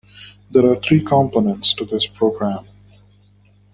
There are three components to this program.